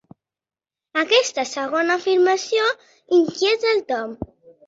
Aquesta segona afirmació inquieta el Tom.